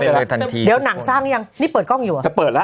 อยู่เลยทันทีเดี๋ยวหนังสร้างยังนี่เปิดกล้องอยู่หรอจะเปิดละ